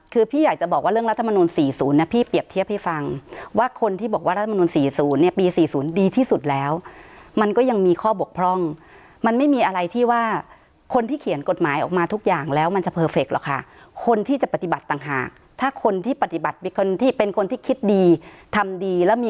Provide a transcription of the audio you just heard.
คือพี่อยากจะบอกว่าเรื่องรัฐธรรมนูนสี่ศูนย์นะพี่เปรียบเทียบให้ฟังว่าคนที่บอกว่ารัฐธรรมนูนสี่ศูนย์เนี่ยปีสี่ศูนย์ดีที่สุดแล้วมันก็ยังมีข้อบกพร่องมันไม่มีอะไรที่ว่าคนที่เขียนกฎหมายออกมาทุกอย่างแล้วมันจะเพอเฟคหรอกค่ะคนที่จะปฏิบัติต่างหากถ้าคนที่ปฏิบัติเป็นคนที่คิดด